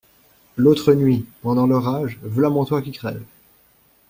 L'autre nuit, pendant l'orage, v'là mon toit qui crève.